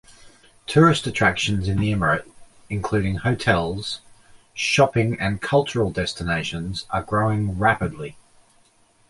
Tourist attractions in the emirate, including hotels, shopping and cultural destinations are growing rapidly.